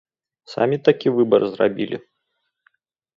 Самі такі выбар зрабілі?